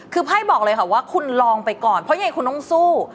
คือไพ่บอกเลยค่ะว่าคุณลองไปก่อนเพราะยังไงคุณต้องสู้